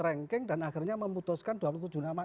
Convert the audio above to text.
ranking dan akhirnya memutuskan dua puluh tujuh nama